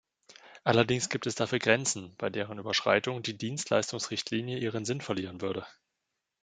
Allerdings gibt es dafür Grenzen, bei deren Überschreitung die Dienstleistungsrichtlinie ihren Sinn verlieren würde.